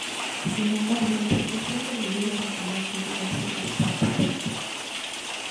Sin embargo, la situación de Bolívar en Jamaica llegó a ser bastante tensa.